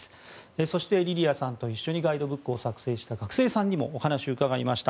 そして、リリアさんと一緒にガイドブックを制作した学生さんにもお話を伺いました。